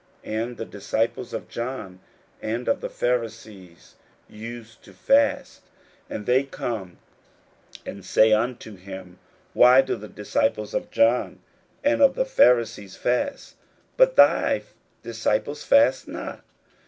41:002:018 And the disciples of John and of the Pharisees used to fast: and they come and say unto him, Why do the disciples of John and of the Pharisees fast, but thy disciples fast not?